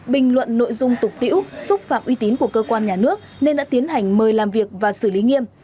bình luận nội dung tục tiễu xúc phạm uy tín của cơ quan nhà nước nên đã tiến hành mời làm việc và xử lý nghiêm